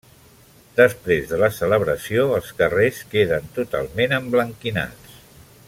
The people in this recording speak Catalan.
Després de la celebració els carrers queden totalment emblanquinats.